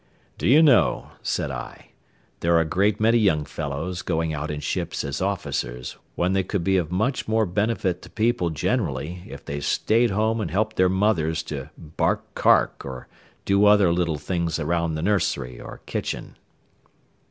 "Do you know," said I, "there are a great many young fellows going out in ships as officers when they could be of much more benefit to people generally if they stayed home and helped their mothers to 'bark cark,' or do other little things around the nursery or kitchen."